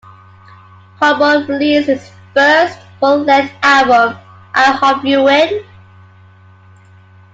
Corn Mo released his first full-length album, I Hope You Win!